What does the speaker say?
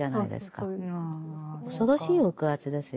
恐ろしい抑圧ですよ。